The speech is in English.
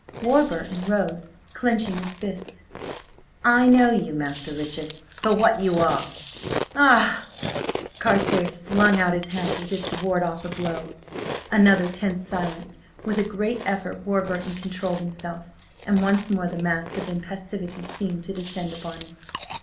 Warburton rose, clenching his hands. "I know you, Master Richard, for what you are!" "Ah!" Carstares flung out his hand as if to ward off a blow. Another tense silence. With a great effort Warburton controlled himself, and once more the mask of impassivity seemed to descend upon him.